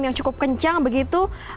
yang cukup kencang begitu